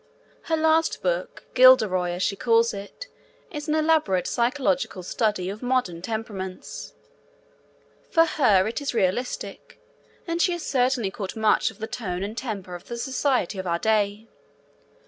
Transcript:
Her last book, Guilderoy as she calls it, is an elaborate psychological study of modern temperaments. For her, it is realistic, and she has certainly caught much of the tone and temper of the society of our day.